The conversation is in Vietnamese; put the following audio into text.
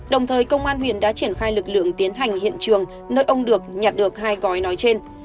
đồng thời công an huyện đã triển khai lực lượng tiến hành hiện trường nơi ông được nhặt được hai gói nói trên